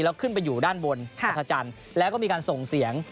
แล้วขึ้นไปอยู่ด้านบนอัธจันทร์แล้วก็มีการส่งเสียง